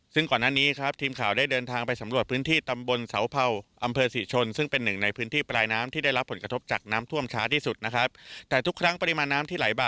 ซึ่งก่อนหน้านี้ครับทีมข่าวได้เดินทางไปสำรวจพื้นที่ตำบลเสาเผาอำเภอศรีชนซึ่งเป็นหนึ่งในพื้นที่ปลายน้ำที่ได้รับผลกระทบจากน้ำท่วมช้าที่สุดนะครับแต่ทุกครั้งปริมาณน้ำที่ไหลบ่